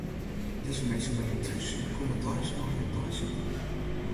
Dizze minsken wenje thús en komme deis nei it deisintrum.